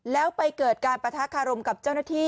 แล้วไปเกิดการปะทะคารมกับเจ้าหน้าที่